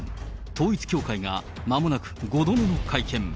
統一教会が、まもなく５度目の会見。